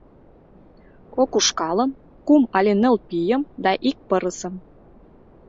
Кок ушкалым, кум але ныл пийым да ик пырысым.